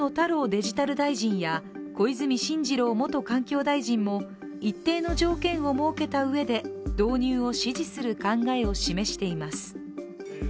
デジタル大臣や小泉進次郎元環境大臣も、一定の条件を設けたうえで、導入を支持する考えを示しています。